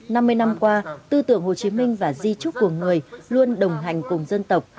năm mươi năm qua tư tưởng hồ chí minh và di trúc của người luôn đồng hành cùng dân tộc